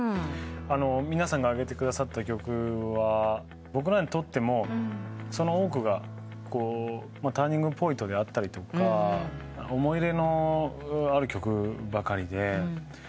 皆さんが挙げてくださった曲は僕らにとってもその多くがターニングポイントであったりとか思い入れのある曲ばかりで。